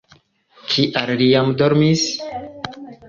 Kial li jam dormis?